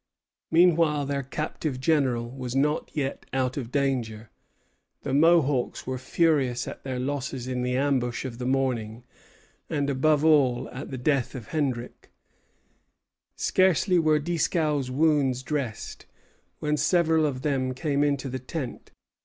Meanwhile their captive general was not yet out of danger. The Mohawks were furious at their losses in the ambush of the morning, and above all at the death of Hendrick. Scarcely were Dieskau's wounds dressed, when several of them came into the tent.